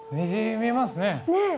虹見えますね。